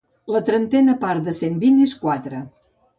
La trentena part de cent vint és quatre.